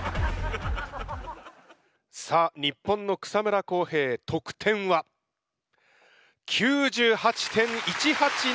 さあ日本の草村航平得点は？９８．１８７点！